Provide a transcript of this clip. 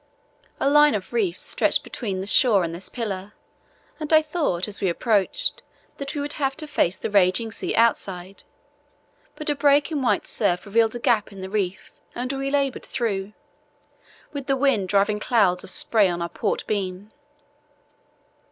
A line of reef stretched between the shore and this pillar, and I thought as we approached that we would have to face the raging sea outside; but a break in the white surf revealed a gap in the reef and we laboured through, with the wind driving clouds of spray on our port beam.